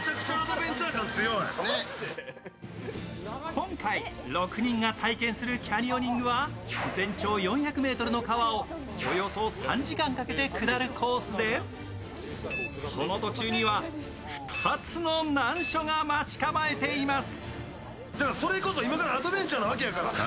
今回６人が体験するキャニオニングは全長４００ｍの川をおよそ３時間かけて下るコースでその途中には２つの難所が待ち構えています。